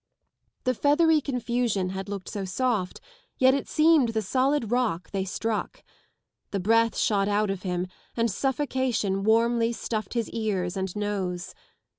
The feathery confusion had looked so soft, yet it seemed the solid rock they struck. The breath shot out of him and suffocation warmly stuffed his ears and nose.